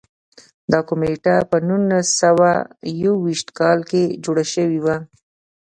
دا کمېټه په نولس سوه یو ویشت کال کې جوړه شوې وه.